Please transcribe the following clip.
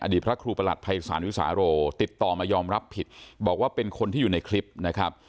พระครูประหลัดภัยศาลวิสาโรติดต่อมายอมรับผิดบอกว่าเป็นคนที่อยู่ในคลิปนะครับ